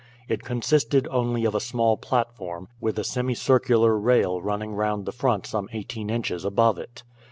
It consisted only of a small platform, with a semicircular rail running round the front some eighteen inches above it.